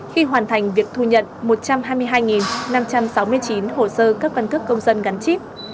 khi hoàn thành việc thu nhận một trăm hai mươi hai năm trăm sáu mươi chín hồ sơ cấp căn cước công dân gắn chip